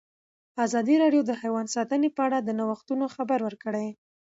ازادي راډیو د حیوان ساتنه په اړه د نوښتونو خبر ورکړی.